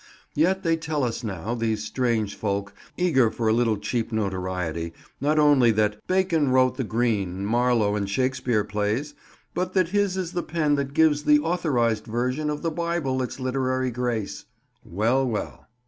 Yet they tell us now, these strange folk, eager for a little cheap notoriety, not only that "Bacon wrote the Greene, Marlowe, and Shakespeare plays," but that his is the pen that gives the Authorised Version of the Bible its literary grace. Well, well.